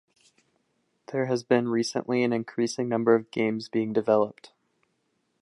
There has recently been an increasing number of games being developed.